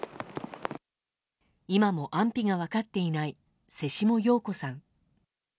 今も安否が分かっていない瀬下陽子さん。